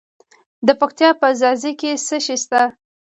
د پکتیا په ځاځي کې څه شی شته؟